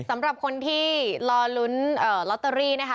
สำหรับคนที่รอลุ้นลอตเตอรี่นะคะ